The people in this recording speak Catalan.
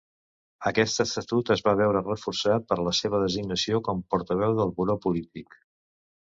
Aquest estatut es va veure reforçat per la seva designació com portaveu del buró polític.